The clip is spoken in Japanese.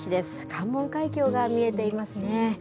関門海峡が見えていますね。